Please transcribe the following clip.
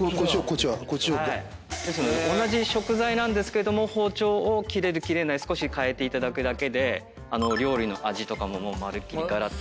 同じ食材なんですけども包丁を切れる切れない少しかえていただくだけで料理の味とかもまるっきりがらっと。